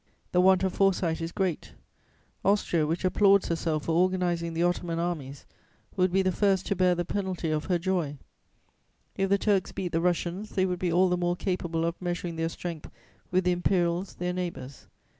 "The want of foresight is great: Austria, which applauds herself for organizing the Ottoman Armies, would be the first to bear the penalty of her joy; if the Turks beat the Russians they would be all the more capable of measuring their strength with the Imperials their neighbours.